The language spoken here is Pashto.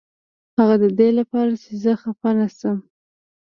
هغه ددې لپاره چې زه خفه نشم.